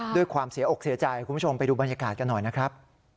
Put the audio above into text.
ด้วยความเสียอกเสียใจคุณผู้ชมไปดูบรรยากาศกันหน่อยนะครับ